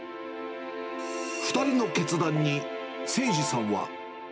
２人の決断に誠次さんは。